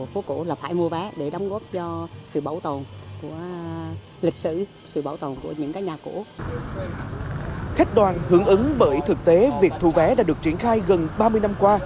khách đoàn hưởng ứng bởi thực tế việc thu vé đã được triển khai gần ba mươi năm qua